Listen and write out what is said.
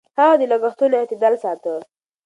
هغه د لګښتونو اعتدال ساته.